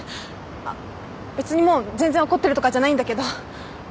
あっ別にもう全然怒ってるとかじゃないんだけど。